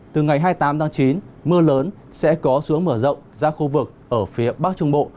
từ ngày hai mươi tám tháng chín mưa lớn sẽ có xuống mở rộng ra khu vực ở phía bắc trung bộ